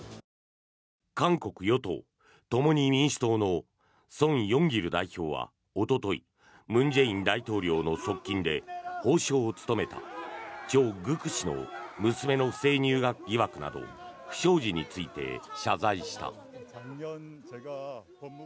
韓国与党・共に民主党のソン・ヨンギル代表はおととい文在寅大統領の側近で法相を務めたチョ・グク氏の娘の不正入学疑惑など不祥事について謝罪した。